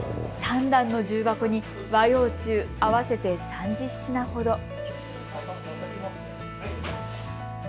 ３段の重箱に和洋中、合わせて３０品ほど。